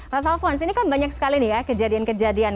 mas alfons ini kan banyak sekali nih ya kejadian kejadian